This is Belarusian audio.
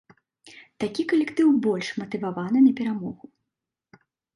Такі калектыў больш матываваны на перамогу.